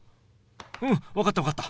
うん分かった分かった。